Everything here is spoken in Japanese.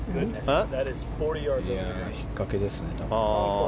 ひっかけですね。